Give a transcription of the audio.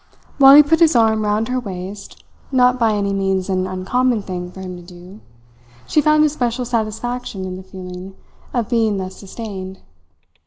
While he put his arm round her waist not by any means an uncommon thing for him to do she found a special satisfaction in the feeling of being thus sustained.